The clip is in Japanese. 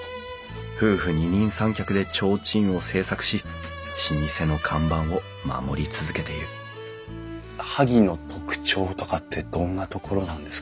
夫婦二人三脚で提灯を製作し老舗の看板を守り続けている萩の特徴とかってどんなところなんですかね？